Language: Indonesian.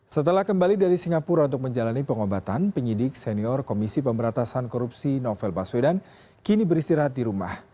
setelah kembali dari singapura untuk menjalani pengobatan penyidik senior komisi pemberatasan korupsi novel baswedan kini beristirahat di rumah